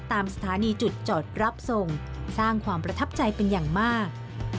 ตามสถานีจุดจอดรับส่งสร้างความประทับใจเป็นอย่างมาก